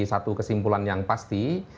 satu kesimpulan yang pasti